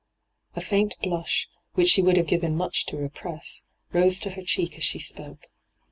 * A faint blush, which she would have given much to repress, rose to her cheek as she spoke.